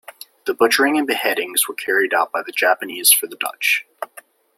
The butchering and beheadings were carried out by the Japanese for the Dutch.